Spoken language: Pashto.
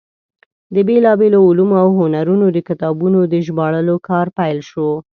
د بېلابېلو علومو او هنرونو د کتابونو د ژباړلو کار پیل شو.